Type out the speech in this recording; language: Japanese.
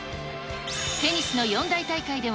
テニスの四大大会では、